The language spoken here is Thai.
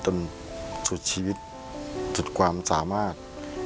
จนสุดชีวิต